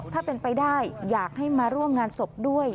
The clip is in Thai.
ถ้าเป็นไปได้อยากให้มาร่วมงานศพด้วย